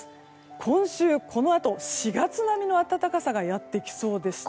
今週このあと４月並みの暖かさがやってきそうでして。